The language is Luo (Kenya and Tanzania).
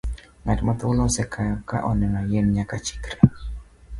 Ng'at ma thuol osekayo ka oneno yien nyaka chikre.